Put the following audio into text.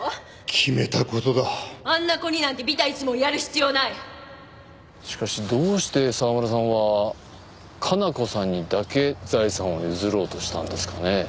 ⁉決めあんな子になんてびた一文やしかしどうして沢村さんは加奈子さんにだけ財産を譲ろうとしたんですかねぇ